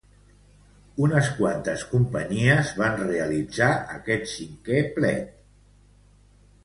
Unes quantes companyies van realitzar aquest cinquè plet.